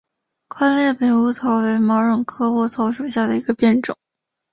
宽裂北乌头为毛茛科乌头属下的一个变种。